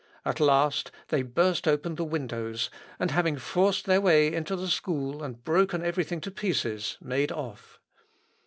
At last they burst open the windows, and having forced their way into the school and broken every thing to pieces, made off.